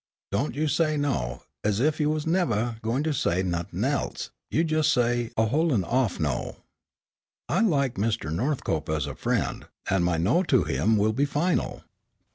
Don't you say no, ez ef you wasn' nevah gwine to say nothin' else. You jes' say a hol'in' off no." "I like Mr. Northcope as a friend, and my no to him will be final."